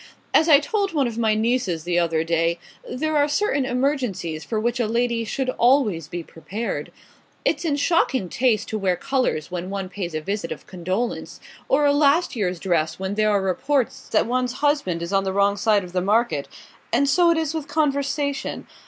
As I told one of my nieces the other day, there are certain emergencies for which a lady should always be prepared. It's in shocking taste to wear colours when one pays a visit of condolence, or a last year's dress when there are reports that one's husband is on the wrong side of the market; and so it is with conversation.